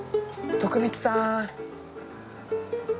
徳光さーん！